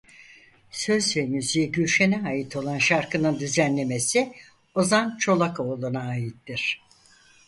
Söz ve müziği Gülşen'e ait olan şarkının düzenlemesi Ozan Çolakoğlu'na aittir.